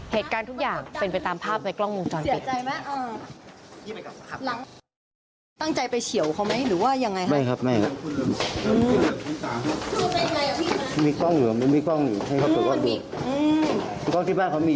เหตุการณ์ทุกอย่างเป็นไปตามภาพในกล้องวงจรปิด